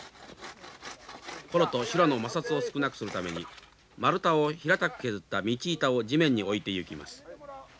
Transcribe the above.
転木と修羅の摩擦を少なくするために丸太を平たく削った道板を地面に置いてゆきます。